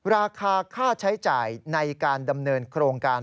ราคาค่าใช้จ่ายในการดำเนินโครงการ